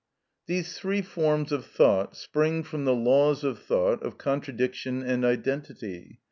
These three forms of thought spring from the laws of thought of contradiction and identity.